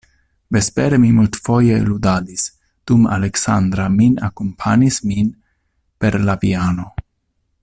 Vespere mi multfoje ludadis, dum Aleksandra min akompanis min per la piano.